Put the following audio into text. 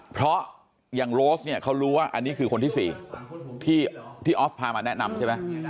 เพราะอย่างโรสเนี่ยเขารู้ว่าอันนี้คือคนที่๔ที่ออฟพามาแนะนำใช่ไหม